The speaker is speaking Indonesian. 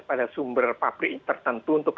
pada sumber pabrik tertentu untuk